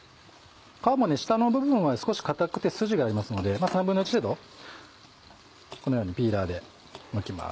皮も下の部分は少し硬くて筋がありますので１／３程度このようにピーラーでむきます。